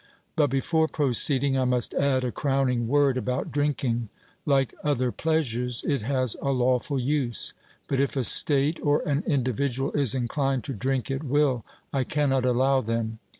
But before proceeding I must add a crowning word about drinking. Like other pleasures, it has a lawful use; but if a state or an individual is inclined to drink at will, I cannot allow them.